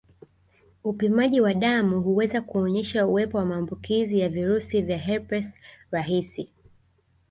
Upimaji wa damu huweza kuonyesha uwepo wa maambukizi ya virusi vya herpes rahisi